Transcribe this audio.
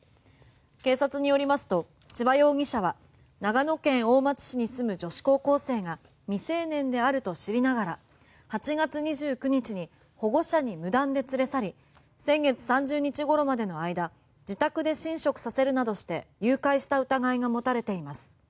警察によりますと千葉容疑者は長野県大町市に住む女子高校生が未成年であると知りながら８月２９日に保護者に無断で連れ去り先月３０日ごろまでの間自宅で寝食させるなどして誘拐した疑いが持たれています。